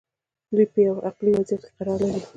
دوی په یوه عقلي وضعیت کې قرار لري.